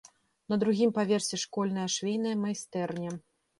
На другім паверсе школьная швейная майстэрня.